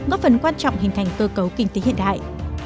góp phần quan trọng hình thành cơ cấu kinh tế hiện đại